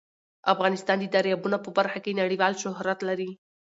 افغانستان د دریابونه په برخه کې نړیوال شهرت لري.